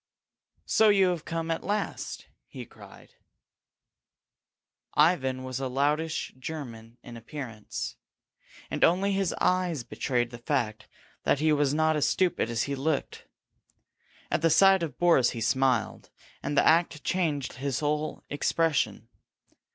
"So you have come at last!" he cried. Ivan was a loutish German in appearance, and only his eyes betrayed the fact that he was not as stupid as he looked. At the sight of Boris he smiled, and the act changed his whole expression.